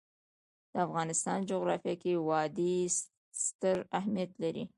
د افغانستان جغرافیه کې وادي ستر اهمیت لري.